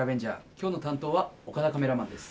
今日の担当は岡田カメラマンです。